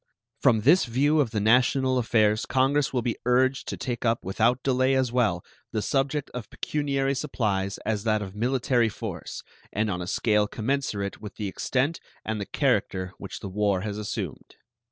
From this view of the national affairs Congress will be urged to take up without delay as well the subject of pecuniary supplies as that of military force, and on a scale commensurate with the extent and the character which the war has assumed.